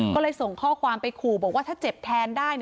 ก็เลยส่งข้อความไปขู่บอกว่าถ้าเจ็บแทนได้